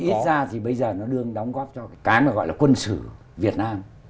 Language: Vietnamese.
ít ra thì bây giờ nó đương đóng góp cho cái mà gọi là quân sử việt nam